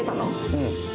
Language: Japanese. うん。